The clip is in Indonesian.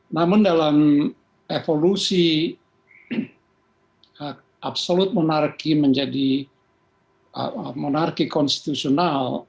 namun dalam evolusi absolut monarki menjadi monarki konstitusional